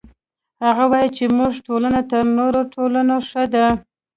هغه وایي چې زموږ ټولنه تر نورو ټولنو ښه ده